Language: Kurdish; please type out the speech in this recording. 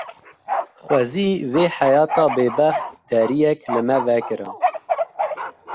Xwezî vê heyata bêbext deriyek li me vekira.